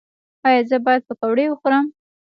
ایا زه باید پکوړه وخورم؟